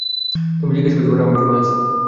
তুমি জিজ্ঞেস করতে পারো আমি কেমন আছি।